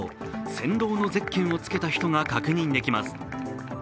「先導」のゼッケンをつけた人が確認できます。